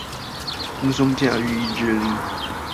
輕鬆駕馭意志力